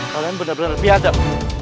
kalian benar benar biadab